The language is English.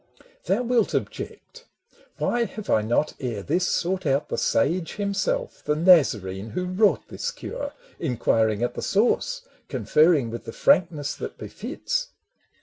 Thou wilt object — Why have I not ere this Sought out the sage himself, the Nazarene Who wrought this cure, inquiring at the source, Conferring with the frankness that befits?